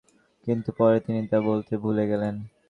কিন্তু পরে তিনি তা বলতে ভুলে গেলেন।